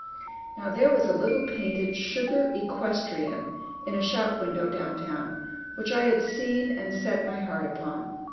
Now there was a little painted sugar equestrian in a shop window down town, which I had seen and set my heart upon.